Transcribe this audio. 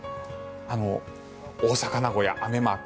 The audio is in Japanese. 大阪、名古屋、雨マーク。